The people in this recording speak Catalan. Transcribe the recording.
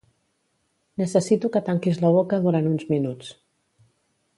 Necessito que tanquis la boca durant uns minuts.